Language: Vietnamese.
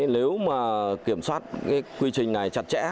nếu mà kiểm soát quy trình này chặt chẽ